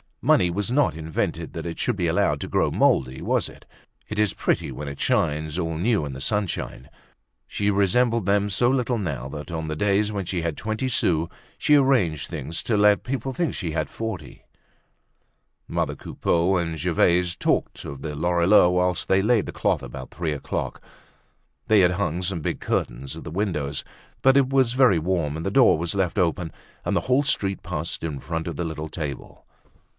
Money was not invented that it should be allowed to grow moldy, was it? It is pretty when it shines all new in the sunshine. She resembled them so little now, that on the days when she had twenty sous she arranged things to let people think that she had forty. Mother Coupeau and Gervaise talked of the Lorilleuxs whilst they laid the cloth about three o'clock. They had hung some big curtains at the windows; but as it was very warm the door was left open and the whole street passed in front of the little table.